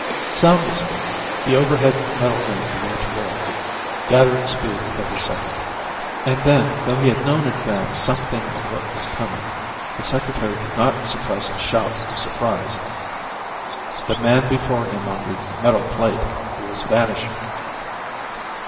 Soundlessly the overhead metal ring began to whirl, gathering speed with every second. And then, though he had known in advance something of what was coming, the Secretary could not suppress a shout of surprise. The man before him on the metal plate was vanishing.